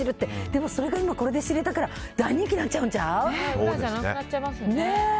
でもそれが今これで知れたから大人気になっちゃうんちゃう？